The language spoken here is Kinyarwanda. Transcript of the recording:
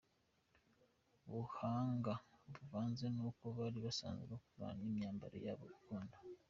buhanga buvanze n’uko bari basanzwe bakora n’imyambaro yabo gakondo.